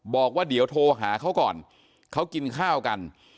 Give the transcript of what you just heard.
บอกว่าเดี๋ยวโทรหาเขาก่อนเขากินข้าวกัน